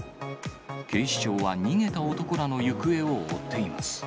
警視庁は逃げた男らの行方を追っています。